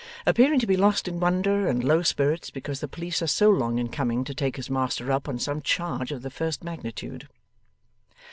Appearing to be lost in wonder and low spirits because the police are so long in coming to take his master up on some charge of the first magnitude.